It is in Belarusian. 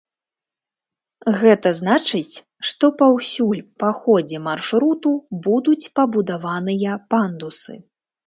Гэта значыць, што паўсюль па ходзе маршруту будуць пабудаваныя пандусы.